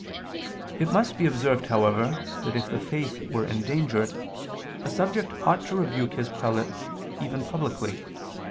It must be observed, however, that if the faith were endangered, a subject ought to rebuke his prelate even publicly.